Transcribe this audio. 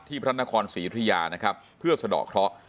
ที่พระนครศรีทุยานะครับเพื่อสดอเคลาะ